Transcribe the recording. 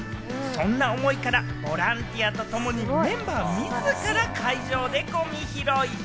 そんな思いから、ボランティアとともにメンバー自ら会場でゴミ拾い。